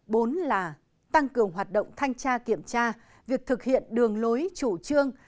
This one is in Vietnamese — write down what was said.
bốn là tăng cường hoạt động thanh tra kiểm tra việc thực hiện đường lối chủ trương